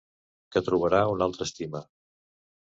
Que trobara una altra estima.